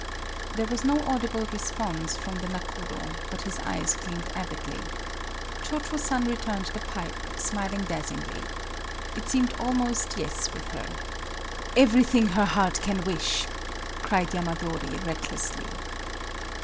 There was no audible response from the nakodo, but his eyes gleamed avidly. 42 MADAME BUTTERFLY Cho Cho San returned the pipe, smiling dazzlingly. It seemed almost yes with her. "Everything her heart can wish!" cried Yamadori, recklessly.